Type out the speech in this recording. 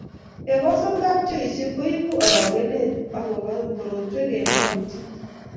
Kekosan kapchoisye ko ibuu arogenee ak kobo korotwek eng kauntit.